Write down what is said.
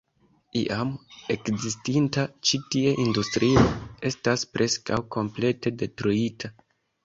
Iam ekzistinta ĉi tie industrio estas preskaŭ komplete detruita.